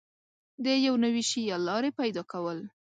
د یو نوي شي یا لارې پیدا کول